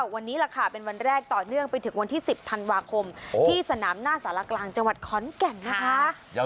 วันนี้แหละค่ะเป็นวันแรกต่อเนื่องไปถึงวันที่๑๐ธันวาคมที่สนามหน้าสารกลางจังหวัดขอนแก่นนะคะ